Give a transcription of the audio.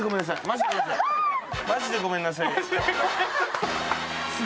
マジでごめんなさいです。